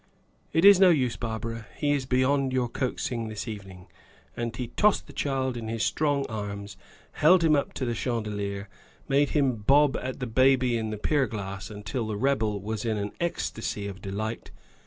"It is no use, Barbara; he is beyond your coaxing this evening." And he tossed the child in his strong arms, held him up to the chandelier, made him bob at the baby in the pier glass, until the rebel was in an ecstacy of delight.